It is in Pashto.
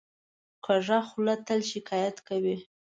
کوږه خوله تل شکایت کوي